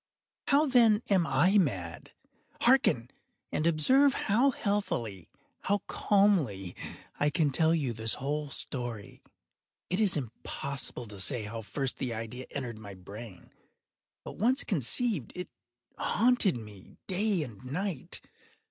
How, then, am I mad? Hearken! and observe how healthily—how calmly I can tell you the whole story. It is impossible to say how first the idea entered my brain; but once conceived, it haunted me day and night.